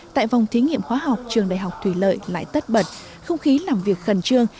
tại vòng thí nghiệm khoa học trường đại học thủy lợi lại tất bật không khí làm việc khẩn trương